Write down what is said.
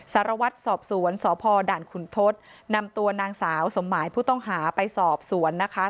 สารวัตรสอบสวนสพด่านขุนทศนำตัวนางสาวสมหมายผู้ต้องหาไปสอบสวนนะคะ